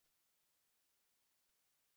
Muhabbatga qanot bo’lgan xat…